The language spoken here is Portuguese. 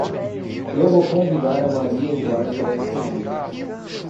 Eu vou convindar a Maria Eduarda para ir comigo.